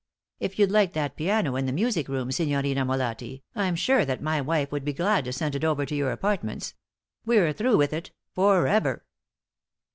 If you'd like that piano in the music room, Signorina Molatti, I'm sure that my wife would be glad to send it over to your apartments. We're through with it forever!"